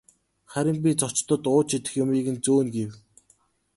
Харин би зочдод ууж идэх юмыг нь зөөнө гэнэ.